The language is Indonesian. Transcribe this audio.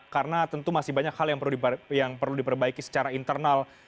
karena tentu masih banyak hal yang perlu diperbaiki secara internal